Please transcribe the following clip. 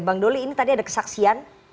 bang doli ini tadi ada kesaksian